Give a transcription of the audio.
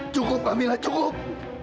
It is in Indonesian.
cukup pak mila cukup